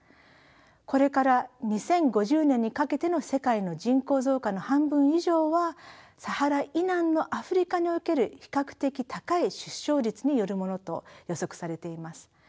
これから２０５０年にかけての世界の人口増加の半分以上はサハラ以南のアフリカにおける比較的高い出生率によるものと予測されています。